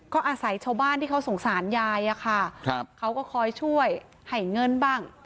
ก็อาศัยชาวบ้านที่เขาสงสารยายอะค่ะเขาก็คอยช่วยให้เงินบ้าง